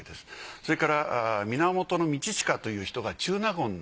それから源通親という人が中納言。